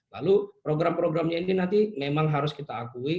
lalu program programnya ini nanti memang harus kita akui